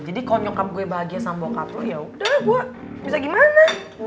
jadi kalau nyokap gue bahagia sama bokap lo yaudah gue bisa gimana